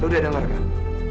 lu udah denger kan